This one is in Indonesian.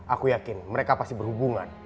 aku yakin mereka pasti berhubungan